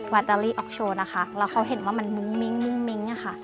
อตเตอรี่ออกโชว์นะคะแล้วเขาเห็นว่ามันมุ้งมิ้งมิ้งอะค่ะ